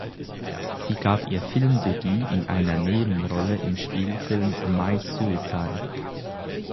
Sie gab ihr Filmdebüt in einer Nebenrolle im Spielfilm "My Suicide".